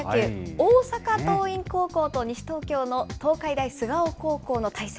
大阪桐蔭高校と西東京の東海大菅生高校の対戦。